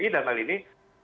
dan hal ini